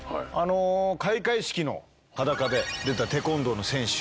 開会式の裸で出たテコンドーの選手。